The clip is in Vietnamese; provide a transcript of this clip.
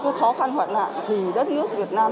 cái khó khăn hoạn nạn thì đất nước việt nam